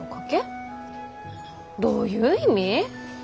どういう意味？